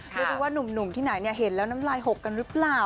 ด้วยกรูปนุ่มที่ไหนเห็นแล้วน้ำลายหกแล้วกันหรือเปล่า